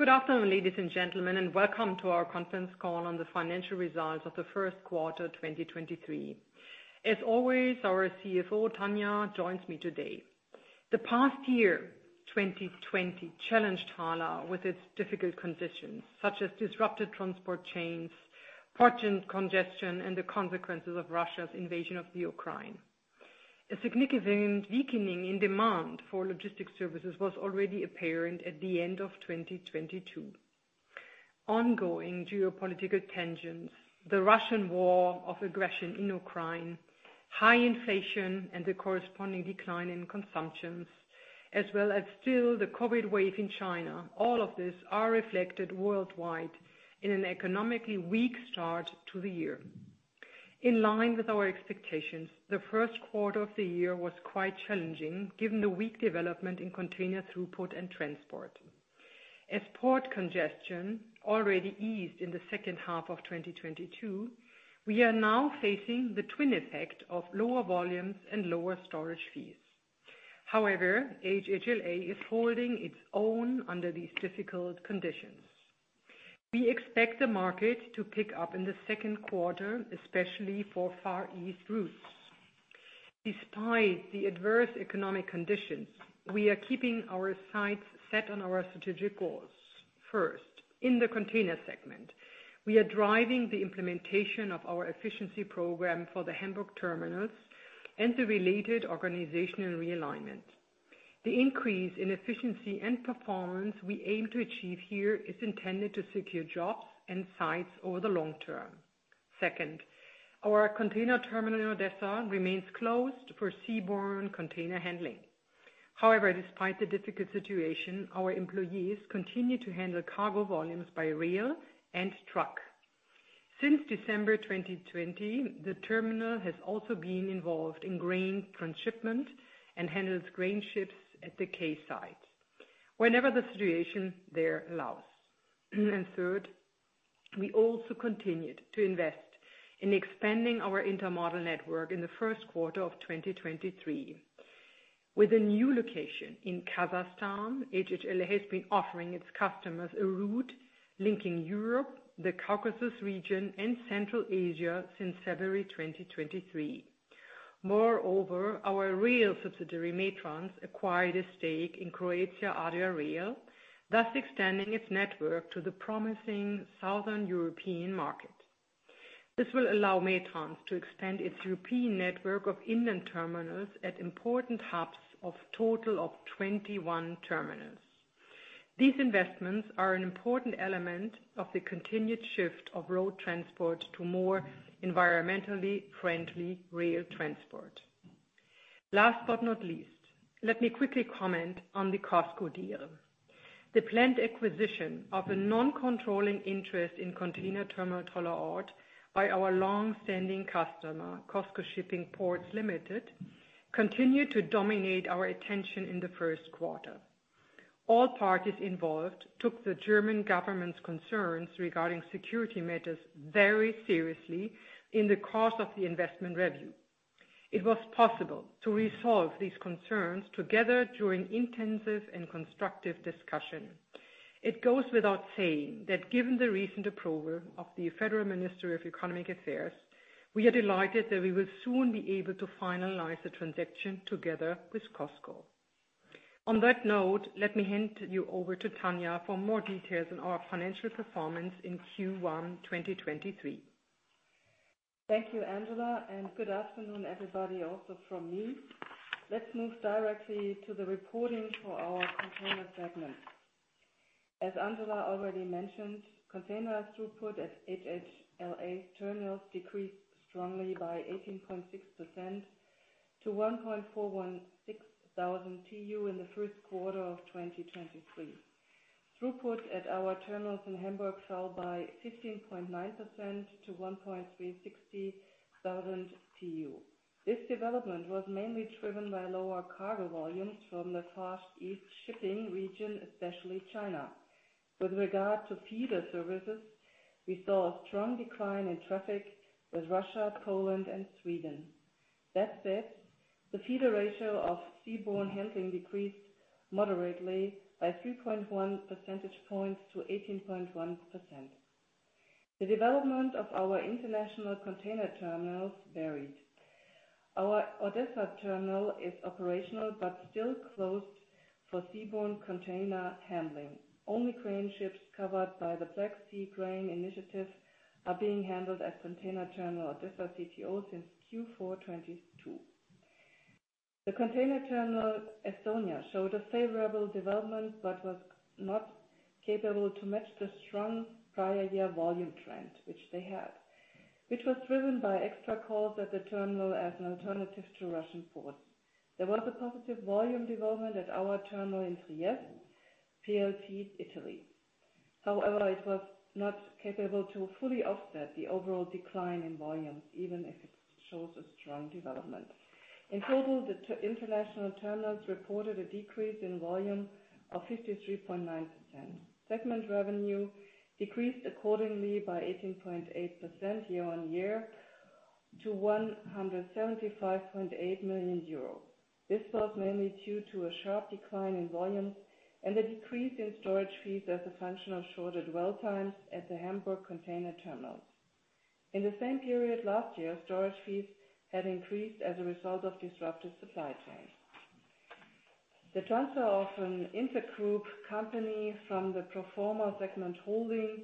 Good afternoon, ladies and gentlemen, and welcome to our conference call on the financial results of the first quarter 2023. As always, our CFO, Tanja, joins me today. The past year, 2020, challenged HHLA with its difficult conditions such as disrupted transport chains, port congestion, and the consequences of Russia's invasion of Ukraine. A significant weakening in demand for logistics services was already apparent at the end of 2022. Ongoing geopolitical tensions, the Russian war of aggression in Ukraine, high inflation and the corresponding decline in consumptions, as well as still the COVID wave in China. All of these are reflected worldwide in an economically weak start to the year. In line with our expectations, the first quarter of the year was quite challenging given the weak development in container throughput and transport. As port congestion already eased in the second half of 2022, we are now facing the twin effect of lower volumes and lower storage fees. HHLA is holding its own under these difficult conditions. We expect the market to pick up in the second quarter, especially for Far East routes. Despite the adverse economic conditions, we are keeping our sights set on our strategic goals. First, in the Container segment, we are driving the implementation of our efficiency program for the Hamburg terminals and the related organizational realignment. The increase in efficiency and performance we aim to achieve here is intended to secure jobs and sites over the long term. Second, our container terminal, Odesa, remains closed for seaborne container handling. Despite the difficult situation, our employees continue to handle cargo volumes by rail and truck. Since December 2020, the terminal has also been involved in grain transshipment and handles grain ships at the quayside whenever the situation there allows. Third, we also continued to invest in expanding our intermodal network in the first quarter of 2023. With a new location in Kazakhstan, HHLA has been offering its customers a route linking Europe, the Caucasus region, and Central Asia since February 2023. Our rail subsidiary, Metrans, acquired a stake in Adria Rail, thus extending its network to the promising southern European market. This will allow Metrans to extend its European network of inland terminals at important hubs of total of 21 terminals. These investments are an important element of the continued shift of road transport to more environmentally friendly rail transport. Last but not least, let me quickly comment on the COSCO deal. The planned acquisition of a non-controlling interest in Container Terminal Tollerort by our long-standing customer, COSCO SHIPPING Ports Limited, continued to dominate our attention in the first quarter. All parties involved took the German government's concerns regarding security matters very seriously in the course of the investment review. It was possible to resolve these concerns together during intensive and constructive discussion. It goes without saying that given the recent approval of the Federal Ministry of Economic Affairs, we are delighted that we will soon be able to finalize the transaction together with COSCO. On that note, let me hand you over to Tanja for more details on our financial performance in Q1 2023. Thank you, Angela, and good afternoon, everybody, also from me. Let's move directly to the reporting for our Container segment. As Angela already mentioned, container throughput at HHLA terminals decreased strongly by 18.6% to 1,416 thousand TEU in the first quarter of 2023. Throughput at our terminals in Hamburg fell by 15.9% to 1,360 thousand TEU. This development was mainly driven by lower cargo volumes from the Far East shipping region, especially China. With regard to feeder services, we saw a strong decline in traffic with Russia, Poland, and Sweden. That said, the feeder ratio of seaborne handling decreased moderately by 3.1 percentage points to 18.1%. Our Odesa terminal is operational but still closed for seaborne container handling. Only grain ships covered by the Black Sea Grain Initiative are being handled at Container Terminal Odesa CTO since Q4 2022. The Container Terminal Estonia showed a favorable development, but was not capable to match the strong prior year volume trend, which they had, which was driven by extra calls at the terminal as an alternative to Russian ports. There was a positive volume development at our terminal in Trieste, PLT Italy. It was not capable to fully offset the overall decline in volumes, even if it shows a strong development. In total, the international terminals reported a decrease in volume of 53.9%. Segment revenue decreased accordingly by 18.8% year-on-year to 175.8 million euros. This was mainly due to a sharp decline in volumes and a decrease in storage fees as a function of shorter dwell times at the Hamburg container terminals. In the same period last year, storage fees had increased as a result of disrupted supply chains. The transfer of an intergroup company from the pro forma Segment Holding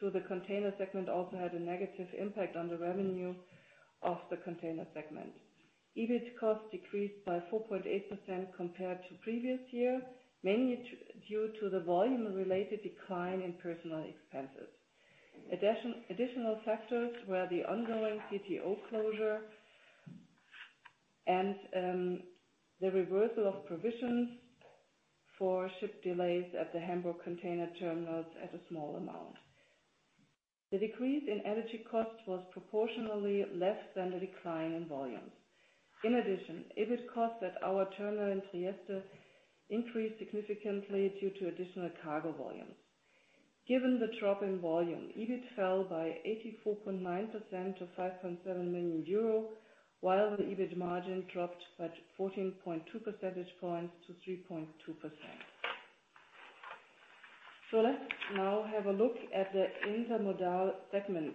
to the Container segment also had a negative impact on the revenue of the Container segment. EBIT costs decreased by 4.8% compared to previous year, mainly due to the volume-related decline in personal expenses. Additional factors were the ongoing CTO closure and the reversal of provisions for ship delays at the Hamburg container terminals at a small amount. The decrease in energy costs was proportionally less than the decline in volumes. EBIT costs at our terminal in Trieste increased significantly due to additional cargo volumes. Given the drop in volume, EBIT fell by 84.9% to 5.7 million euro, while the EBIT margin dropped by 14.2 percentage points to 3.2%. Let's now have a look at the Intermodal segment.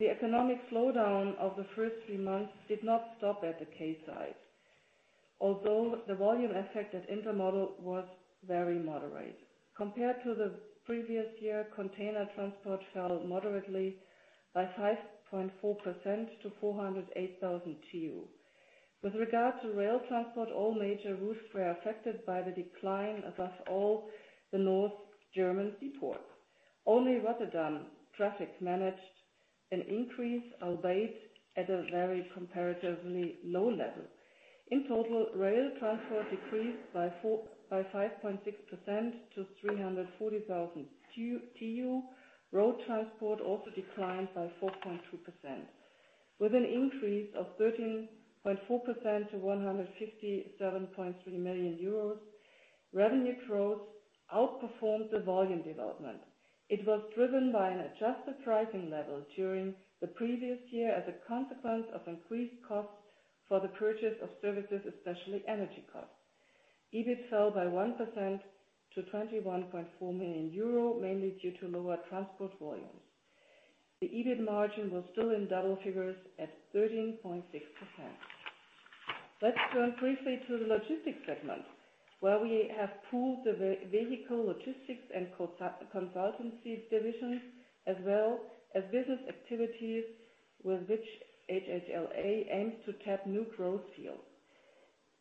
The economic slowdown of the first three months did not stop at the quayside, although the volume effect at Intermodal was very moderate. Compared to the previous year, container transport fell moderately by 5.4% to 408,000 TEU. With regard to rail transport, all major routes were affected by the decline across all the North German seaports. Only Rotterdam traffic managed an increase, albeit at a very comparatively low level. In total, rail transport decreased by 5.6% to 340,000 TEU. Road transport also declined by 4.2%. With an increase of 13.4% to 157.3 million euros, revenue growth outperformed the volume development. It was driven by an adjusted pricing level during the previous year as a consequence of increased costs for the purchase of services, especially energy costs. EBIT fell by 1% to 21.4 million euro, mainly due to lower transport volumes. The EBIT margin was still in double figures at 13.6%. Let's turn briefly to the Logistics segment, where we have pooled the vehicle Logistics and consultancy divisions, as well as business activities with which HHLA aims to tap new growth fields.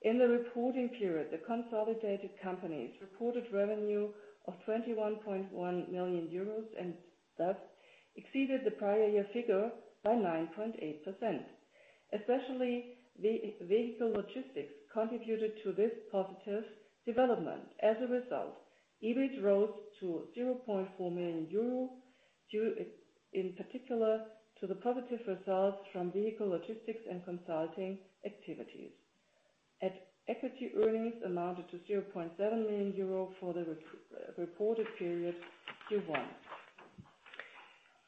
In the reporting period, the consolidated companies reported revenue of 21.1 million euros and thus exceeded the prior year figure by 9.8%. Especially vehicle Logistics contributed to this positive development. As a result, EBIT rose to 0.4 million euros due, in particular, to the positive results from vehicle Logistics and consulting activities. At-equity earnings amounted to 0.7 million euro for the reported period Q1.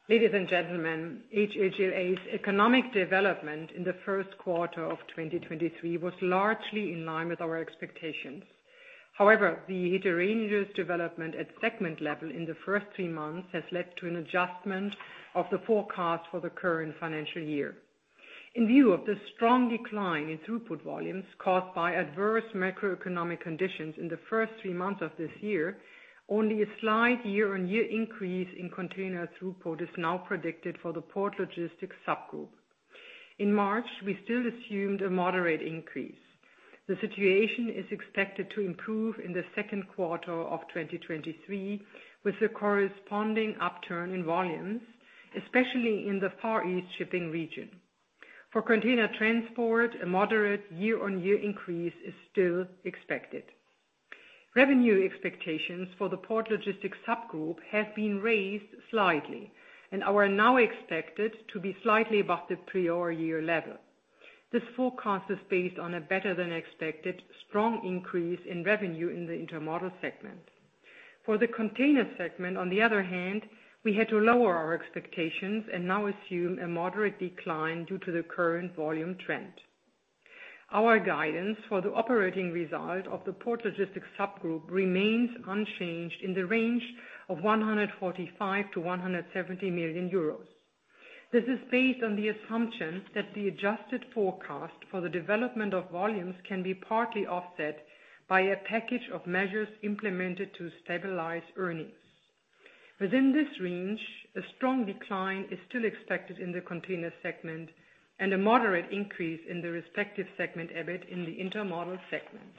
Ladies and gentlemen, HHLA's economic development in the first quarter of 2023 was largely in line with our expectations. However, the heterogeneous development at segment level in the first three months has led to an adjustment of the forecast for the current financial year. In view of the strong decline in throughput volumes caused by adverse macroeconomic conditions in the first three months of this year, only a slight year-on-year increase in container throughput is now predicted for the Port Logistics subgroup. In March, we still assumed a moderate increase. The situation is expected to improve in the second quarter of 2023, with a corresponding upturn in volumes, especially in the Far East shipping region. For container transport, a moderate year-on-year increase is still expected. Revenue expectations for the Port Logistics subgroup have been raised slightly and are now expected to be slightly above the prior year level. This forecast is based on a better-than-expected strong increase in revenue in the Intermodal segment. For the Container segment, on the other hand, we had to lower our expectations and now assume a moderate decline due to the current volume trend. Our guidance for the operating result of the Port Logistics subgroup remains unchanged in the range of 145 million-170 million euros. This is based on the assumption that the adjusted forecast for the development of volumes can be partly offset by a package of measures implemented to stabilize earnings. Within this range, a strong decline is still expected in the Container segment and a moderate increase in the respective segment EBIT in the Intermodal segment.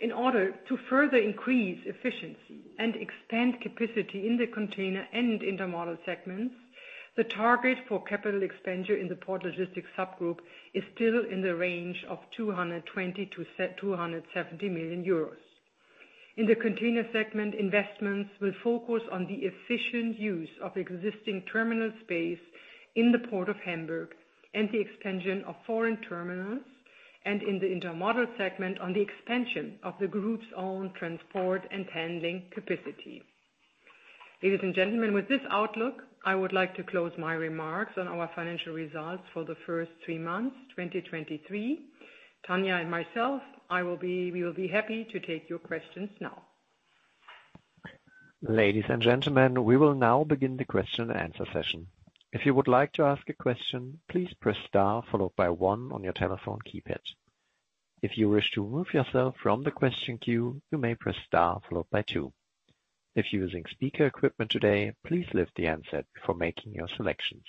In order to further increase efficiency and expand capacity in the Container and Intermodal segments, the target for capital expenditure in the Port Logistics subgroup is still in the range of 220 million-270 million euros EUR. In the Container segment, investments will focus on the efficient use of existing terminal space in the Port of Hamburg and the expansion of foreign terminals, and in the Intermodal segment on the expansion of the Group's own transport and handling capacity. Ladies and gentlemen, with this outlook, I would like to close my remarks on our financial results for the first three months, 2023. Tanja and myself, we will be happy to take your questions now. Ladies and gentlemen, we will now begin the question and answer session. If you would like to ask a question, please press star followed by one on your telephone keypad. If you wish to remove yourself from the question queue, you may press star followed by two. If you're using speaker equipment today, please lift the handset before making your selections.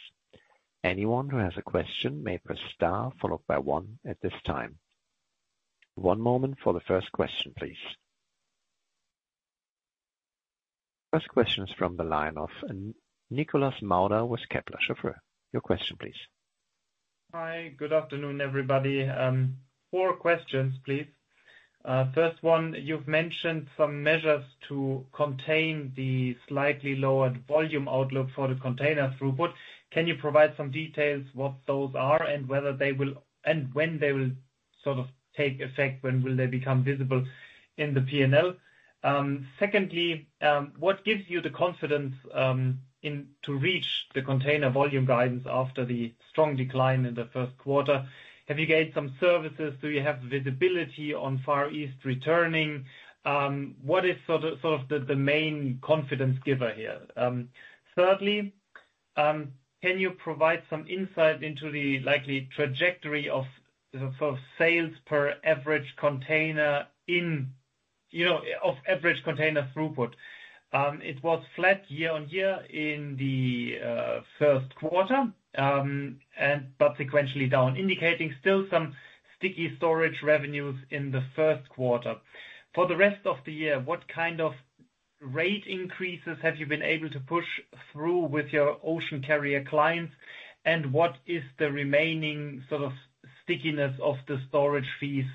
Anyone who has a question may press star followed by one at this time. One moment for the first question, please. First question is from the line of Nikolas Mauder with Kepler Cheuvreux. Your question please. Hi, good afternoon, everybody. Four questions, please. First one, you've mentioned some measures to contain the slightly lowered volume outlook for the container throughput. Can you provide some details what those are and when they will sort of take effect? When will they become visible in the P&L? Secondly, what gives you the confidence in to reach the container volume guidance after the strong decline in the first quarter? Have you gained some services? Do you have visibility on Far East returning? What is sort of the main confidence giver here? Thirdly, can you provide some insight into the likely trajectory of the sort of sales per average container in, you know, of average container throughput? It was flat year-on-year in the first quarter, but sequentially down, indicating still some sticky storage revenues in the first quarter. For the rest of the year, what kind of rate increases have you been able to push through with your ocean carrier clients? What is the remaining sort of stickiness of the storage fees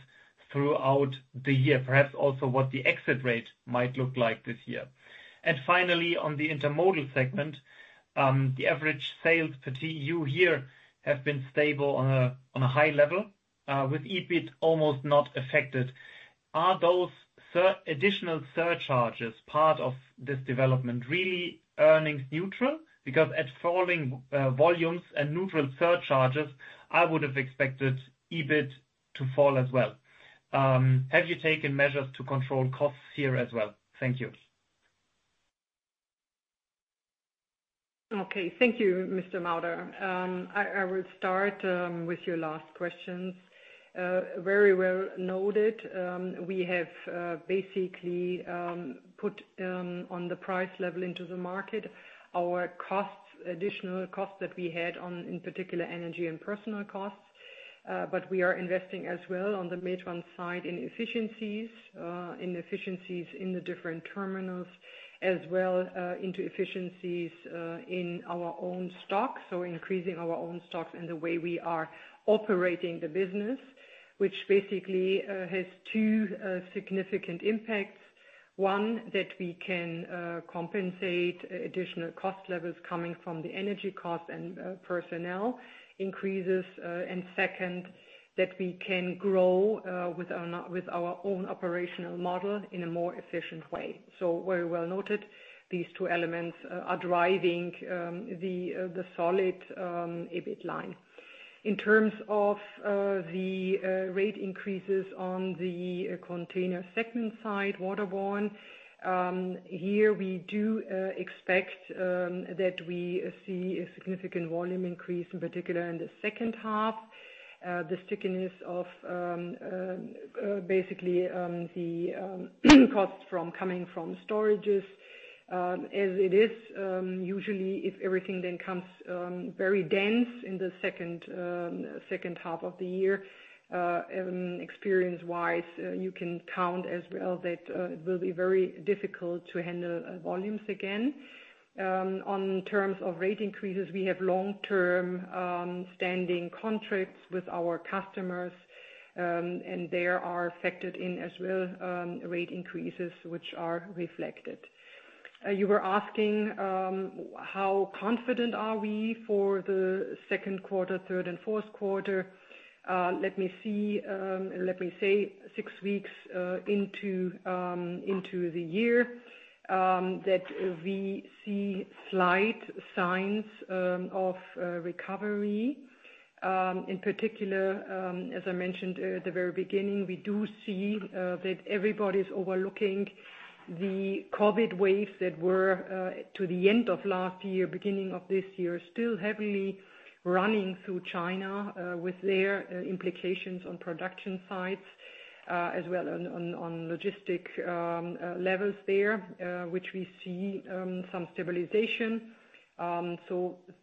throughout the year? Perhaps also what the exit rate might look like this year. Finally, on the Intermodal segment, the average sales per TEU here have been stable on a high level, with EBIT almost not affected. Are those additional surcharges part of this development really earnings neutral? At falling volumes and neutral surcharges, I would have expected EBIT to fall as well. Have you taken measures to control costs here as well? Thank you. Okay, thank you, Mr. Mauder. I will start with your last questions, very well noted. We have basically put on the price level into the market our costs, additional costs that we had on, in particular, energy and personal costs. We are investing as well on the Metrans side in efficiencies, in efficiencies in the different terminals as well, into efficiencies in our own stock. Increasing our own stocks and the way we are operating the business, which basically has two significant impacts. One, that we can compensate additional cost levels coming from the energy costs and personnel increases. Second, that we can grow with our own operational model in a more efficient way. Very well noted. These two elements are driving the solid EBIT line. In terms of the rate increases on the Container segment side waterborne, here we do expect that we see a significant volume increase, in particular in the second half. The stickiness of basically the costs from coming from storages, as it is usually if everything then comes very dense in the second half of the year. Experience-wise, you can count as well that it will be very difficult to handle volumes again. On terms of rate increases, we have long-term standing contracts with our customers, and they are affected in as well rate increases which are reflected. You were asking, how confident are we for the second quarter, third, and fourth quarter? Let me see, let me say 6 weeks into the year, that we see slight signs of recovery. In particular, as I mentioned at the very beginning, we do see that everybody is overlooking the COVID waves that were to the end of last year, beginning of this year, still heavily running through China, with their implications on production sites, as well on logistic levels there, which we see some stabilization.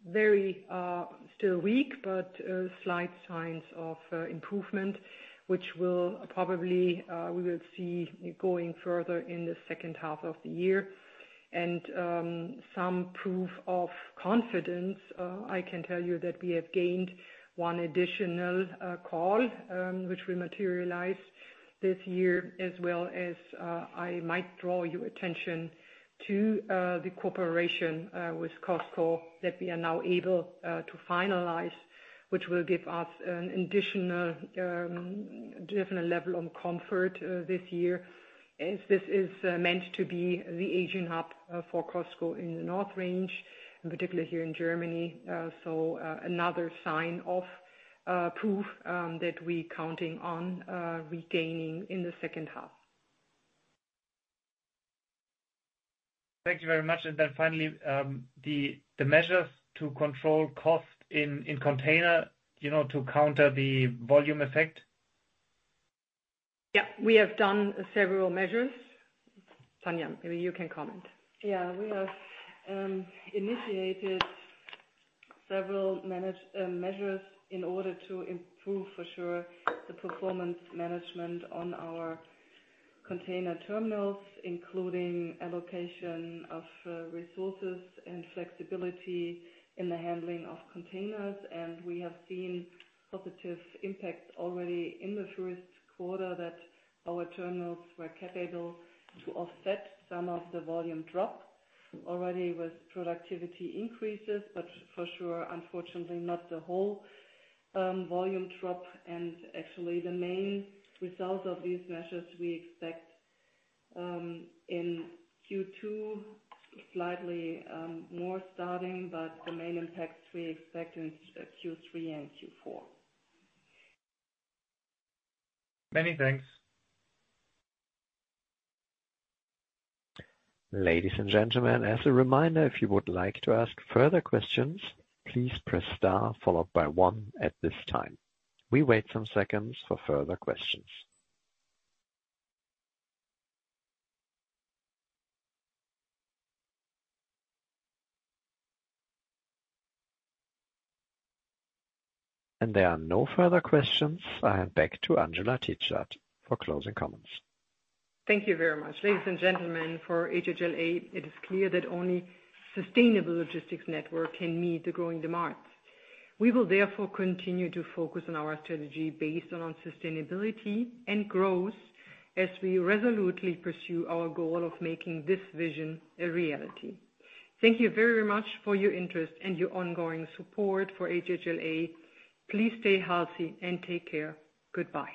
Very still weak, but slight signs of improvement, which will probably we will see going further in the second half of the year. Some proof of confidence, I can tell you that we have gained one additional call, which we materialized this year, as well as I might draw your attention to the cooperation with COSCO that we are now able to finalize, which will give us an additional different level of comfort this year. As this is meant to be the Asian hub for COSCO in the North Range, in particular here in Germany. Another sign of proof that we counting on regaining in the second half. Thank you very much. Then finally, the measures to control cost in container, you know, to counter the volume effect. Yeah, we have done several measures. Tanja, maybe you can comment. Yeah. We have initiated several measures in order to improve for sure the performance management on our container terminals, including allocation of resources and flexibility in the handling of containers. We have seen positive impact already in the first quarter that our terminals were capable to offset some of the volume drop already with productivity increases. For sure, unfortunately not the whole volume drop. Actually the main results of these measures we expect in Q2 slightly more starting. The main impacts we expect in Q3 and Q4. Many thanks. Ladies and gentlemen, as a reminder, if you would like to ask further questions, please press star followed by one at this time. We wait some seconds for further questions. There are no further questions. I hand back to Angela Titzrath for closing comments. Thank you very much. Ladies and gentlemen, for HHLA, it is clear that only sustainable logistics network can meet the growing demands. We will therefore continue to focus on our strategy based on sustainability and growth as we resolutely pursue our goal of making this vision a reality. Thank you very much for your interest and your ongoing support for HHLA. Please stay healthy and take care. Goodbye.